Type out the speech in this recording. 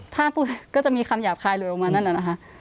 ถ้าพูดก็จะมีคำหยาบคายเลยลงมานั่นแหละนะคะ